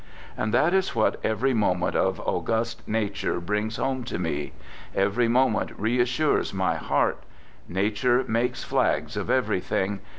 And that is what every moment of august Nature brings home to me. Every moment reassures my heart : Nature makes flags of everything.